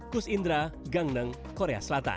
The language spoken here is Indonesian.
kus indra gangneng korea selatan